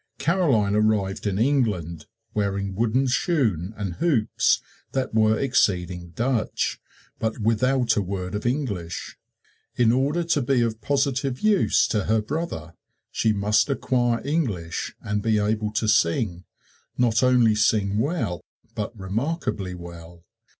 Caroline arrived in England, wearing wooden shoon and hoops that were exceeding Dutch, but without a word of English. In order to be of positive use to her brother, she must acquire English and be able to sing not only sing well, but remarkably well.